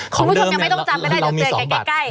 คุณผู้ชมยังไม่ต้องจำไม่ได้เดี๋ยวเจอกันใกล้